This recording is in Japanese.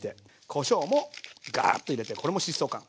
こしょうもガーッと入れてこれも疾走感。